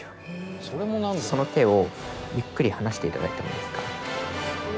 その手をゆっくり離して頂いてもいいですか。